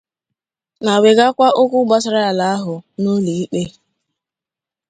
ma wegakwa okwu gbasaara ala ahụ n'ụlọikpe